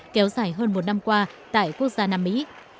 kéo dài hơn một năm qua tại quốc gia nam mỹ